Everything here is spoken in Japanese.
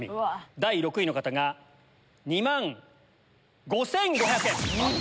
第６位の方が２万５５００円。